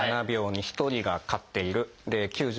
７秒に１人が買っている。